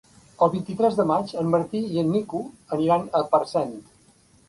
El vint-i-tres de maig en Martí i en Nico aniran a Parcent.